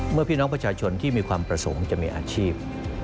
พี่น้องประชาชนที่มีความประสงค์จะมีอาชีพ